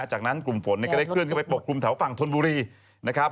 จากนั้นกลุ่มฝนก็ได้เคลื่อนเข้าไปปกคลุมแถวฝั่งธนบุรีนะครับ